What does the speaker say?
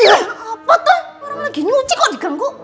ih apa tuh orang lagi nyuci kok diganggu